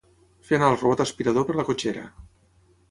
Fer anar el robot aspirador per la cotxera.